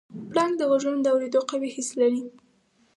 پړانګ د غږونو د اورېدو قوي حس لري.